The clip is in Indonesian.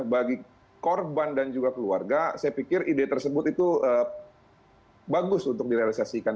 bagi korban dan juga keluarga saya pikir ide tersebut itu bagus untuk direalisasikan